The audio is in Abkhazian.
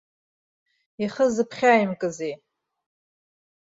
Ихы зыԥхьаимкызеи?